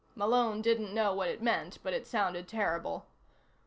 Malone didn't know what it meant, but it sounded terrible.)